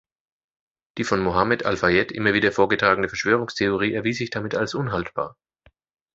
Die von Mohammed Al-Fayed immer wieder vorgetragene Verschwörungstheorie erwies sich damit als unhaltbar.